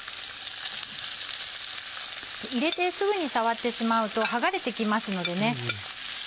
入れてすぐに触ってしまうと剥がれてきますのでね